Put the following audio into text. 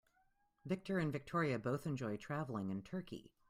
Victor and Victoria both enjoy traveling in Turkey.